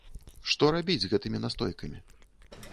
Што рабіць з гэтымі настойкамі?